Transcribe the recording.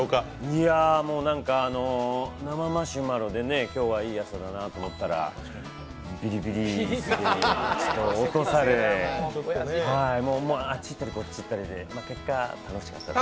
いやもう何か、生マシュマロで今日はいい朝だなと思ったら、ビリビリ椅子でちょっと落とされ、あっちいったりこっちいったりで結果、楽しかったです。